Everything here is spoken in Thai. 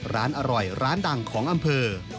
ร้านอร่อยร้านดังของอำเภอ